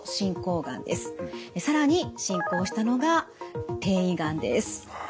更に進行したのが転移がんです。